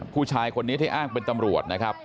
ผู้ชายคนนี้ที่อ้างเป็นตำรวจ